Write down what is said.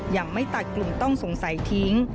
ยังไม่ตัดกลุ่มต้องสงสัยทิ้ง